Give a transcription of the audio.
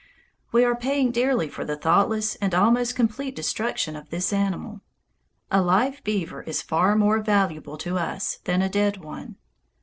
We are paying dearly for the thoughtless and almost complete destruction of this animal. A live beaver is far more valuable to us than a dead one.